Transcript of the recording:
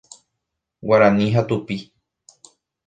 Guarani ha tupi.